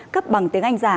cấp bằng tiếng anh giả